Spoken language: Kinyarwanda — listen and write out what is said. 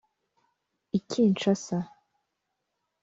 I Kinshasa